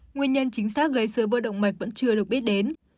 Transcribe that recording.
nguyên nhân chính xác gây sơ vữa động mạch vẫn chưa được biết đến